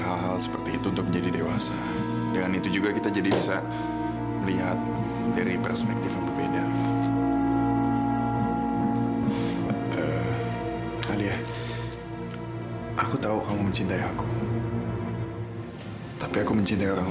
aku mengerti komil